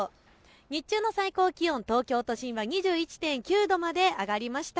日中の最高気温、東京都心は２１．９度まで上がりました。